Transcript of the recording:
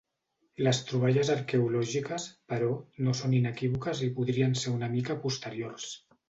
Les troballes arqueològiques, però, no són inequívoques i podrien ser una mica posteriors.